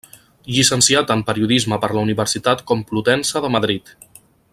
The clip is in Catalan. Llicenciat en Periodisme per la Universitat Complutense de Madrid.